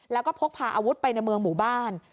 แล้วก็พกพาอาวุธไปในเมืองหมู่บ้าน